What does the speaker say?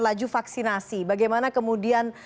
laju vaksinasi bagaimana kemudian